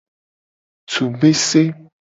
Tsu bese.